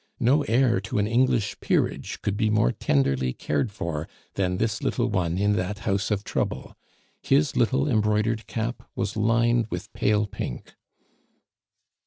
No heir to an English peerage could be more tenderly cared for than this little one in that house of trouble; his little embroidered cap was lined with pale pink.